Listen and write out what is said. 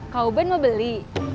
kau ben mau beli